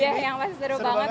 udah yang pasti seru banget